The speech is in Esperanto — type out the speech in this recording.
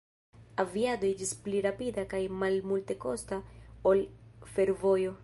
Aviado iĝis pli rapida kaj malmultekosta ol fervojo.